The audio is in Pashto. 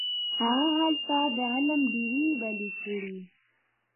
هغه هلته د علم ډیوې بلې کړې.